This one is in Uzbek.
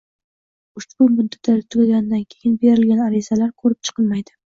Ushbu muddatlar tugagandan keyin berilgan arizalar ko‘rib chiqilmaydi.